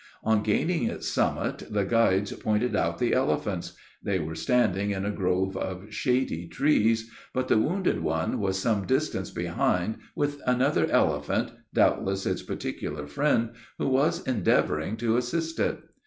On gaining its summit, the guides pointed out the elephants: they were standing in a grove of shady trees, but the wounded one was some distance behind with another elephant, doubtless its particular friend, who was endeavoring to assist it.